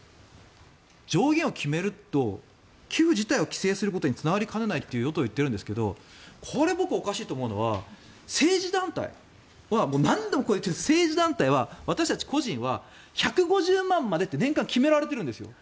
上限を決めると寄付自体を規制することにつながりかねないと与党は言ってるんですがこれ、僕はおかしいと思うのは何度も言っていますが政治団体は、私たち個人は１５０万までって年間決められているんです。